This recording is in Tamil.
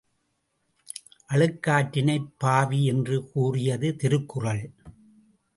அழுக்காற்றினைப் பாவி என்று கூறியது திருக்குறள்.